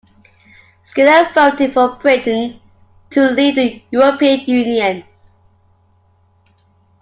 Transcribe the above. Skinner voted for Britain to leave the European Union.